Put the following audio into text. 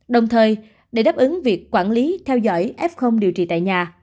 đồng thời để đáp ứng việc quản lý theo dõi f điều trị tại nhà